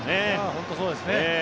本当にそうですね。